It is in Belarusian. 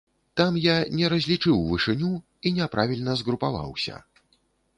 Там я не разлічыў вышыню і няправільна згрупаваўся.